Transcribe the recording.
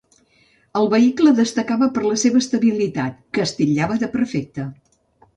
El vehicle destacava per la seva estabilitat, que es titllava de perfecta.